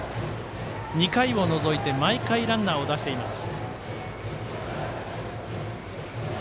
２回を除いて毎回ランナーを出しています。